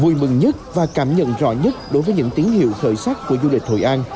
vui mừng nhất và cảm nhận rõ nhất đối với những tín hiệu khởi sắc của du lịch hội an